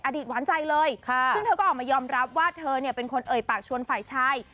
หวานใจเลยซึ่งเธอก็ออกมายอมรับว่าเธอเนี่ยเป็นคนเอ่ยปากชวนฝ่ายชาย